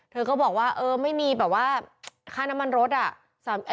เธอก็บอกว่าเออไม่มีแบบว่าค่าน้ำมันรถอ่ะ